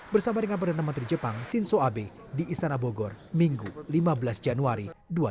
bersama dengan perdana menteri jepang shinzo abe di istana bogor minggu lima belas januari dua ribu dua puluh